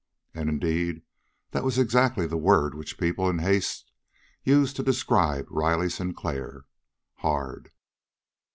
And, indeed, that was exactly the word which people in haste used to describe Riley Sinclair "hard."